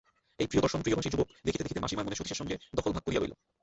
এই প্রিয়দর্শন প্রিয়ভাষী যুবক দেখিতে দেখিতে মাসিমার মনে সতীশের সঙ্গে দখল ভাগ করিয়া লইল।